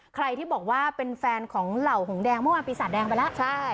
ใครที่บอกว่าเป็นแฟนของเหล่าหงแดงเมื่อวานปีศาจแดงไปแล้วใช่